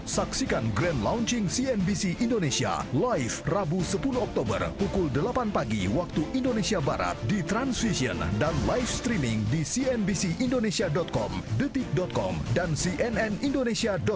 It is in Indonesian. saksikan grand launching cnbc indonesia live rabu sepuluh oktober pukul delapan pagi waktu indonesia barat di transvision dan live streaming di cnbc indonesia com detik com dan cnn indonesia com